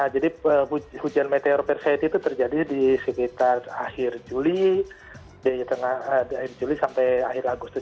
jadi hujan meteor perseit itu terjadi di sekitar akhir juli sampai akhir agustus